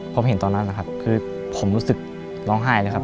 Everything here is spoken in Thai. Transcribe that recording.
ผมเห็นตอนนั้นนะครับคือผมรู้สึกร้องไห้เลยครับ